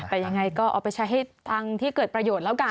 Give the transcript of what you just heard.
แต่ยังไงก็เอาไปใช้ให้ทางที่เกิดประโยชน์แล้วกัน